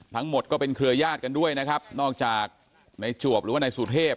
ทั้งหมดก็เป็นเครือญาติกันด้วยนะครับนอกจากในจวบหรือว่านายสุเทพ